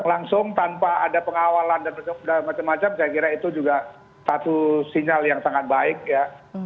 langsung tanpa ada pengawalan dan macam macam saya kira itu juga satu sinyal yang sangat baik ya